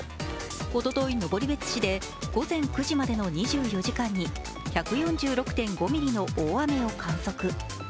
おととい、登別市で午前９時までの２４時間に１４６．５ミリの大雨を観測。